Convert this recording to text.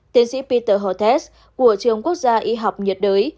tiến sĩ peter hotes của trường quốc gia y học nhiệt đới